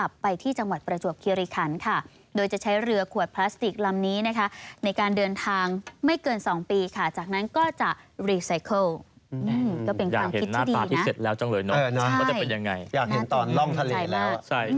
อยากเห็นตอนล่องทะเลแล้ว